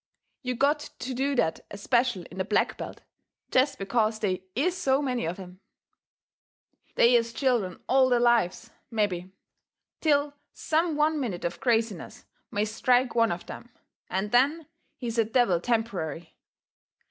You got to do that especial in the black belt, jest because they IS so many of 'em. They is children all their lives, mebby, till some one minute of craziness may strike one of them, and then he is a devil temporary.